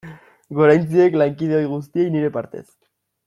Goraintziak lankide ohi guztiei nire partez.